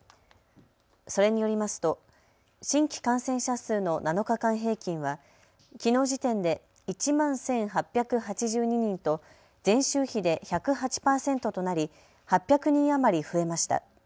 それによりますと新規感染者数の７日間平均はきのう時点で１万１８８２人と前週比で１０８％となり８００人余り増えました。